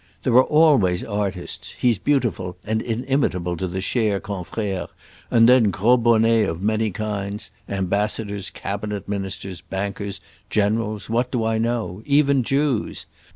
There are always artists—he's beautiful and inimitable to the cher confrère; and then gros bonnets of many kinds—ambassadors, cabinet ministers, bankers, generals, what do I know? even Jews.